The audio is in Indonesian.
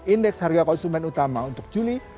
indeks harga konsumen utama untuk juli